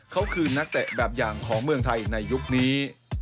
เขาคือนักเตะแบบอย่างของเมืองไทยในยุคนี้